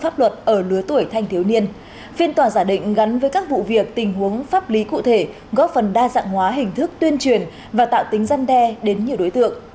phiên tòa giả định gắn với các vụ việc tình huống pháp lý cụ thể góp phần đa dạng hóa hình thức tuyên truyền và tạo tính gian đe đến nhiều đối tượng